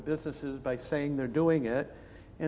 bisnis mereka dengan mengatakan